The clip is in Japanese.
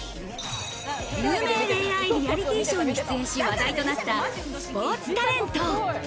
有名恋愛リアリティーショーに出演し、話題となったスポーツタレント。